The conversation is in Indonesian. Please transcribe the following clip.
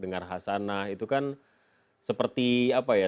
dengar hasanah itu kan seperti apa ya